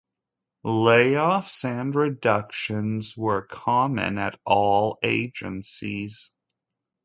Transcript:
Layoffs and reductions were common at all agencies.